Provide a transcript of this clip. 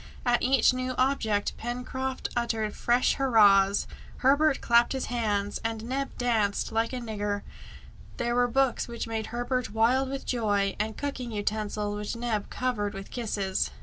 At each new object Pencroft uttered fresh hurrahs, Herbert clapped his hands, and Neb danced like a nigger. There were books which made Herbert wild with joy, and cooking utensils which Neb covered with kisses!